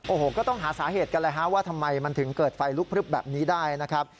โอ้โหก็ต้องหาสาเหตุกันเลยฮะว่าทำไมมันถึงเกิดไฟลุกพลึบแบบนี้ได้นะครับ